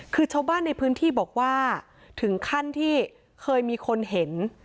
คือชาวบ้านในพื้นที่บอกว่าถึงขั้นที่เคยมีคนเห็น